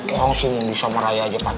orang sih mau bisa meraya aja pacarnya